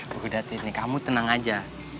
bu gada tih nih kamu tenang aja